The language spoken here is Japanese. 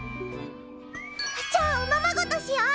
じゃあおままごとしよう！